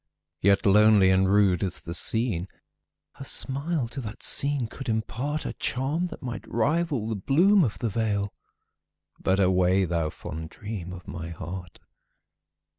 Yet lonely and rude as the scene, Her smile to that scene could impartA charm that might rival the bloom of the vale,—But away, thou fond dream of my heart!